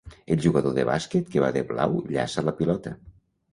El jugador de bàsquet que va de blau llaça la pilota.